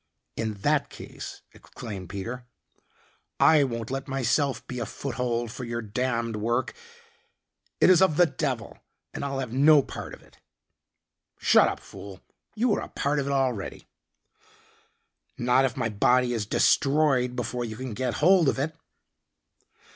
"In that case," exclaimed Peter, "I won't let myself be a foothold for your damned work it is of the devil and I'll have no part of it." "Shut up, fool. You are a part of it already." "Not if my body is destroyed before you can get hold of it."